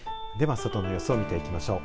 では外の様子を見ていきましょう。